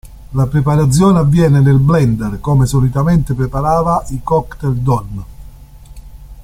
La preparazione avviene nel blender, come solitamente preparava i cocktail Donn.